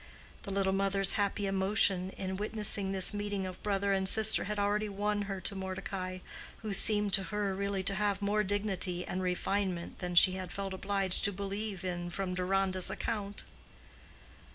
The little mother's happy emotion in witnessing this meeting of brother and sister had already won her to Mordecai, who seemed to her really to have more dignity and refinement than she had felt obliged to believe in from Deronda's account.